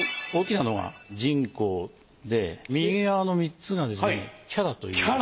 大きなのが沈香で右側の３つがですね伽羅という。